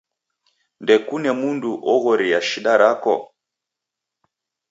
Ndekuna mundu oghorea shida rako?